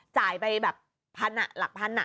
จ่ายไปแบบพันอ่ะหลักพัน